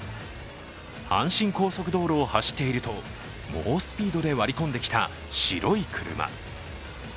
阪神高速道路を走っていると猛スピードで割り込んできた白い車。